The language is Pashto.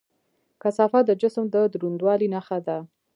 کثافت د جسم د دروندوالي نښه ده.